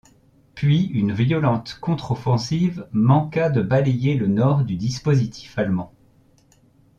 Puis une violente contre-offensive manqua de balayer le nord du dispositif allemand.